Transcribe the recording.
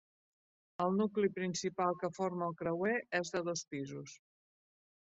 El nucli principal que forma el creuer és de dos pisos.